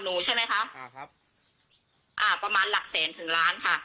หนูใช่ไหมคะอ่าครับอ่าประมาณหลักแสนถึงล้านค่ะ